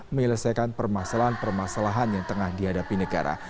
menyelesaikan permasalahan permasalahan yang tengah dihadapi negara